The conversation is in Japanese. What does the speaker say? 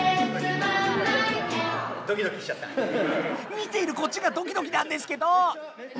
見ているこっちがドキドキなんですけど！